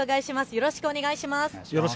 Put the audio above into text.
よろしくお願いします。